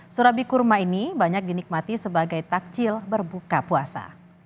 surabi kurma ini banyak dinikmati sebagai takjil berbuka puasa